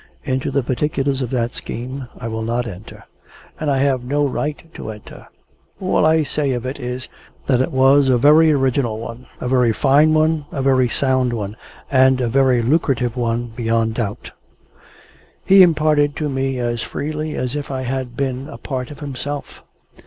Into the particulars of that scheme I will not enter, and I have no right to enter. All I say of it is, that it was a very original one, a very fine one, a very sound one, and a very lucrative one beyond doubt. He imparted it to me as freely as if I had been a part of himself.